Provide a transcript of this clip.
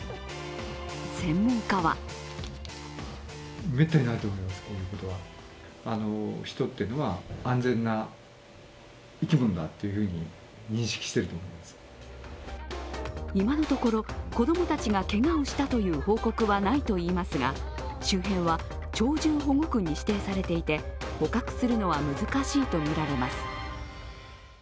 専門家は今のところ子供たちがけがをしたという報告はないといいますが周辺は鳥獣保護区に指定されていて捕獲するのは難しいとみられます。